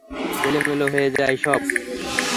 এলোমেলো হয়ে যায় সব।